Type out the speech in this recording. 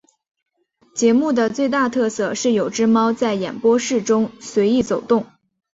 节目的最大特色是有只猫在演播室中随意走动。